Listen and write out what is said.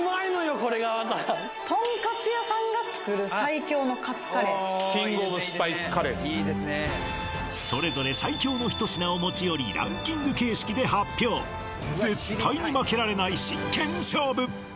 これがまたトンカツ屋さんが作るそれぞれ最強の一品を持ち寄りランキング形式で発表絶対に負けられない真剣勝負